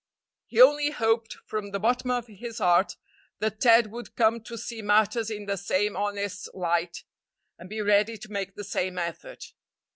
He only hoped, from the bottom of his heart, that Ted would come to see matters in the same honest light, and be ready to make the same effort.